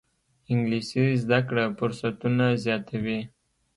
انګلیسي زده کړه فرصتونه زیاتوي